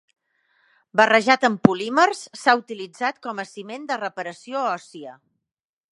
Barrejat amb polímers, s'ha utilitzat com a ciment de reparació òssia.